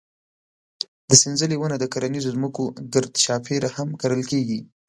د سنځلې ونه د کرنیزو ځمکو ګرد چاپېره هم کرل کېږي.